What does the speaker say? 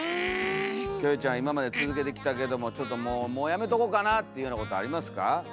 キョエちゃん今まで続けてきたけどももうやめとこかなっていうようなことありますか？